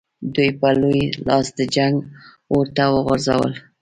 دوی په لوی لاس د جنګ اور ته وغورځول.